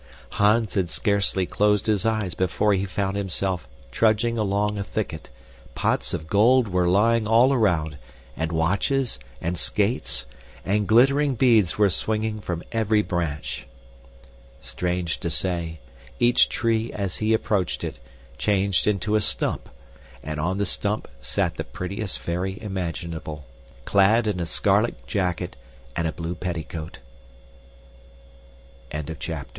Hans had scarcely closed his eyes before he found himself trudging along a thicket; pots of gold were lying all around, and watches and skates, and glittering beads were swinging from every branch. Strange to say, each tree, as he approached it, changed into a stump, and on the stump sat the prettiest fairy imaginable, clad in a scarlet jacket and a blue petticoat. The Mysterious Watch Somethin